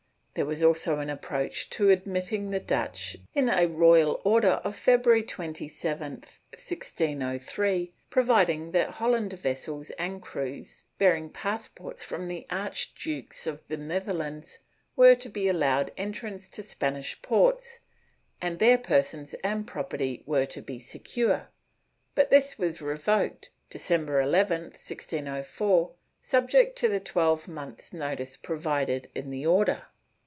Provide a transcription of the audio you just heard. '' There was also an approach to admitting the Dutch, in a royal order of February 27, 1603, providing that Holland vessels and crews, bearing passports from the Archdukes of the Netherlands, were to be allowed entrance to Spanish ports, and their persons and property were to be secure, but this was revoked, December 11, 1604, subject to the twelve months' notice provided in the order.